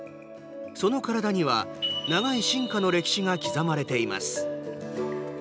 その体には長い進化の歴史が刻まれています。